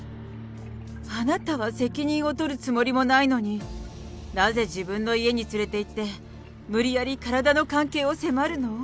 あなたは責任を取るつもりもないのに、なぜ自分の家に連れていって、無理やり体の関係を迫るの？